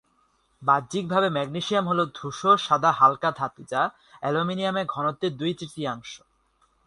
বাহ্যিকভাবে ম্যাগনেসিয়াম হলো ধূসর-সাদা হাল্কা ধাতু যা অ্যালুমিনিয়ামের ঘনত্বের দুই-তৃতীয়াংশ।